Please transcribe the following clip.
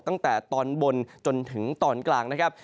ตั้งแต่ตอนบนจนถึงตอนกลางนะครับ